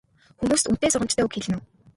Хүмүүст үнэтэй сургамжтай үг хэлнэ үү?